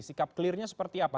sikap clear nya seperti apa